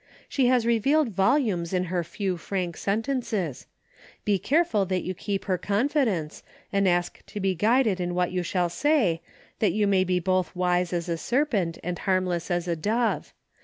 She has revealed volumes in her few frank sentences. Be careful that you keep her confidence, and ask to be guided in what you 248 DAILY BATE.^' shall say, that you may be both wise as a ser pent and harmless as a dove.